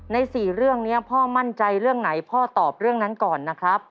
๔เรื่องนี้พ่อมั่นใจเรื่องไหนพ่อตอบเรื่องนั้นก่อนนะครับ